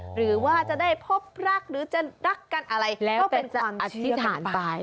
หรือว่าจะได้พบรักหรือจะรักกันอะไรแล้วก็เป็นการอธิษฐานไป